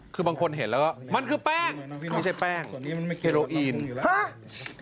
คือบางคนเห็นแล้วก็มันคือแป้งไม่ใช่แป้งเฮโรอีนหา